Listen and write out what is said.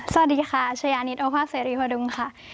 สวัสดีค่ะชายานิดโอภาคเสรีพดุงค่ะ